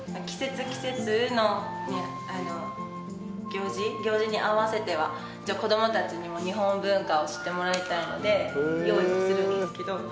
季節季節の行事に合わせては子どもたちにも日本文化を知ってもらいたいので用意はするんですけど。